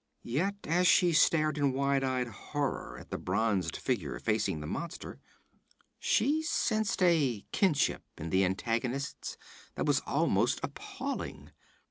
Yet as she stared in wide eyed horror at the bronzed figure facing the monster, she sensed a kinship in the antagonists that was almost appalling.